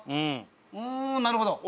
うんなるほど。